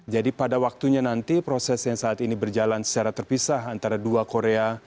jadi pada waktunya nanti proses yang saat ini berjalan secara terpisah antara dua korea